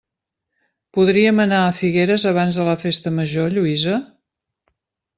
Podríem anar a Figueres abans de la festa major, Lluïsa?